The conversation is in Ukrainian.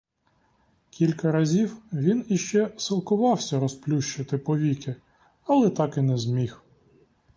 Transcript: Кілька разів він іще силкувався розплющити повіки, але так і не зміг.